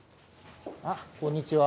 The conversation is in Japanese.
あっこんにちは。